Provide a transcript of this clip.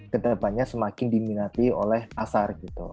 kedepannya semakin diminati oleh asar